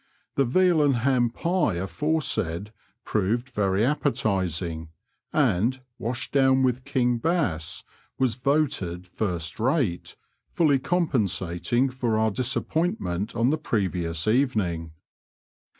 The veal and ham pie aforesaid proved very appetising, and, washed down with King Bass, was voted first rate, fully compensating for our disappoint ment on the previous evening.